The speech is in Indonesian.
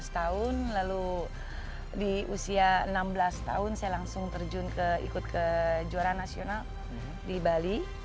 lima belas tahun lalu di usia enam belas tahun saya langsung terjun ikut ke juara nasional di bali